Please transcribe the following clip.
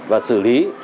và xử lý